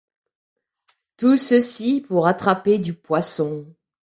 Tout ceci pour attraper du poisson.